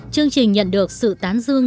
chương trình nhận được sự tán dương